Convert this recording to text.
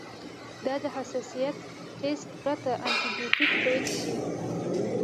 که د حساسیت ټسټ پرته انټي بیوټیک پیل شي.